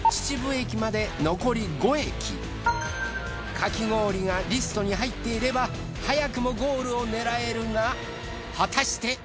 かき氷がリストに入っていれば早くもゴールを狙えるが果たして！？